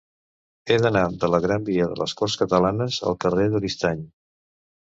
He d'anar de la gran via de les Corts Catalanes al carrer d'Oristany.